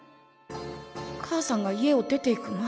母さんが家を出ていく前？